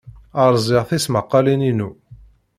Rẓiɣ tismaqqalin-inu.